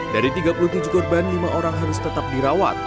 dari tiga puluh tujuh korban lima orang harus tetap dirawat